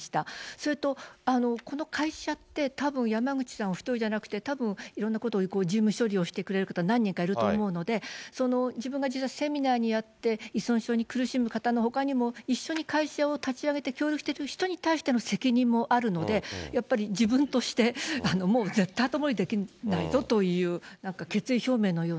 それと、この会社って、たぶん山口さんお１人じゃなくて、たぶんいろんなことを事務処理してくれる方、何人かいると思うので、その自分が実際セミナーをやって、依存症に苦しむ方のほかにも一緒に会社を立ち上げて協力してくれる人に対しての責任もあるので、やっぱり自分としてもう絶対後戻りできないぞというなんか決意表